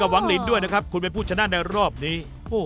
หวังลินด้วยนะครับคุณเป็นผู้ชนะในรอบนี้